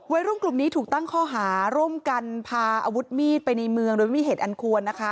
วัยรุ่นกลุ่มนี้ถูกตั้งข้อหาร่วมกันพาอาวุธมีดไปในเมืองโดยไม่มีเหตุอันควรนะคะ